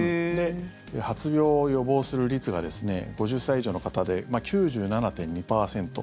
発病を予防する率が５０歳以上の方で９７．２％。